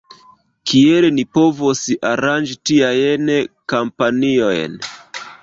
Kiel ni povos aranĝi tiajn kampanjojn?